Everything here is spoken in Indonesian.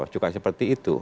juga seperti itu